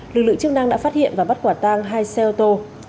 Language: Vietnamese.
lực lượng chức năng đã phát hiện và bắt quả tang hai xe ô tô